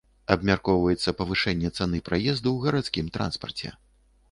Абмяркоўваецца павышэнне цаны праезду ў гарадскім транспарце.